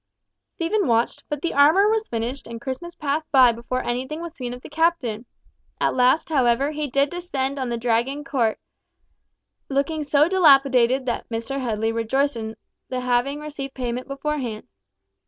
Stephen watched, but the armour was finished and Christmas passed by before anything was seen of the Captain. At last, however, he did descend on the Dragon court, looking so dilapidated that Mr. Headley rejoiced in the having received payment beforehand.